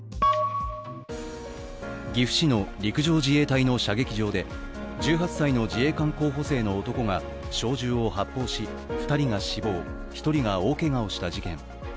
岐阜市の陸上自衛隊の射撃場で１８歳の自衛官候補生の男が小銃を発砲し２人が死亡、１人が大けがをした事件。